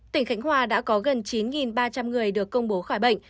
tỉnh khánh hòa đã có gần chín ba trăm linh người được công bố khỏi bệnh